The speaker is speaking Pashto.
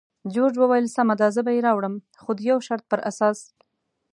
جورج وویل: سمه ده، زه به یې راوړم، خو د یو شرط پر اساس.